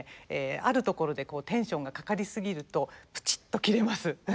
あるところでこうテンションがかかり過ぎるとぷちっと切れます。